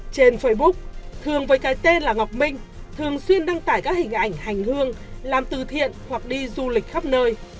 trên facebook thường với cái tên là ngọc minh thường xuyên đăng tải các hình ảnh hành hương làm từ thiện hoặc đi du lịch khắp nơi